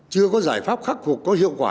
chưa có giải pháp khắc phục có hiệu quả